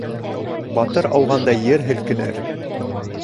Батыр ауғанда ер һелкенер.